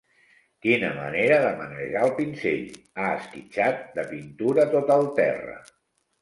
Quina manera de manejar el pinzell: ha esquitxat de pintura tot el terra.